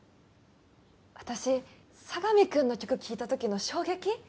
私佐神くんの曲聴いた時の衝撃？